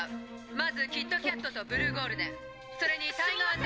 まずキッドキャットとブルーゴールデンそれにタイガー＆」。